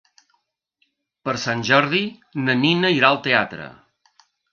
Per Sant Jordi na Nina irà al teatre.